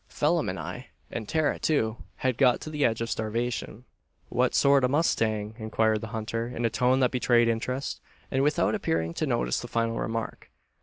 Phelim and I, and Tara, too, had got to the edge of starvation." "Whet sort o' a mustang?" inquired the hunter, in a tone that betrayed interest, and without appearing to notice the final remark.